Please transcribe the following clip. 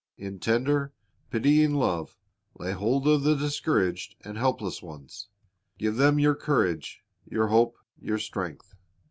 In tender, pitying love, lay hold of the discouraged and helpless ones. Give them your courage, your hope, your strength.